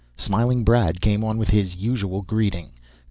Smiling Brad came on with his usual greeting.